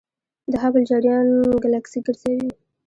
د هبل جریان ګلکسي ګرځوي.